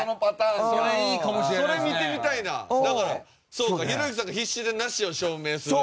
そうかひろゆきさんが必死で「ナシ」を証明するっていう。